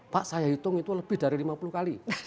pak saya hitung itu lebih dari lima puluh kali